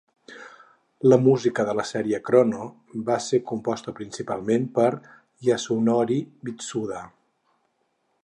La música de la sèrie "Chrono" va ser composta principalment per Yasunori Mitsuda.